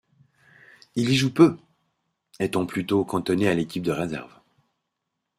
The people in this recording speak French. Il y joue peu, étant plutôt cantonné à l'équipe réserve.